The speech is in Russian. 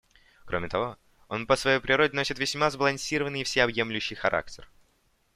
Кроме того, он по своей природе носит весьма сбалансированный и всеобъемлющий характер.